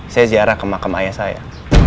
saya ziarah ke makam ayah saya